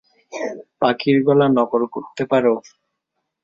পাখির গলা নকল করতে পারো?